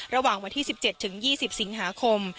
ระหว่างวันที่๑๗ถึง๒๐สิงหาคม